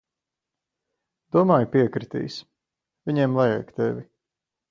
Domāju, piekritīs. Viņiem vajag tevi.